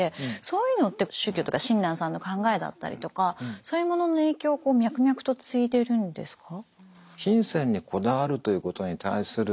そういうのって宗教とか親鸞さんの考えだったりとかそういうものの影響をこう脈々と継いでるんですか？